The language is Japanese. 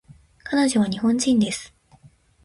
彼女は日本人です